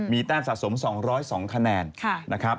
มีแต้มสะสม๒๐๒คะแนน